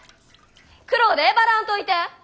苦労でえばらんといて！